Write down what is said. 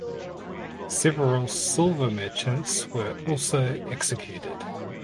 Several silver merchants were also executed.